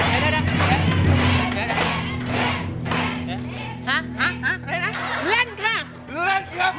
อะไรนะเล่นกัน